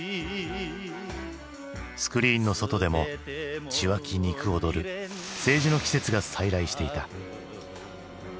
スクリーンの外でも血湧き肉躍る政治の季節が再来していた。